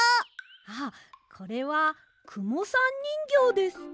あこれはくもさんにんぎょうです。